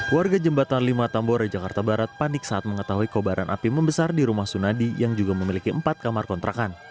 warga jembatan lima tambora jakarta barat panik saat mengetahui kobaran api membesar di rumah sunadi yang juga memiliki empat kamar kontrakan